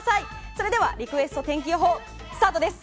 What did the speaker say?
それではリクエスト天気予報スタートです。